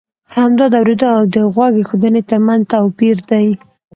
همدا د اورېدو او د غوږ اېښودنې ترمنځ توپی ر دی.